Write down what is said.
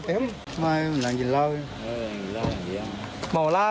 ตั้งปลา